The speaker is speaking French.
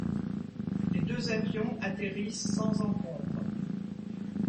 Les deux avions atterrissent sans encombre.